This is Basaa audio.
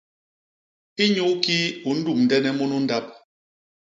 Inyuukii u ndumdene munu ndap?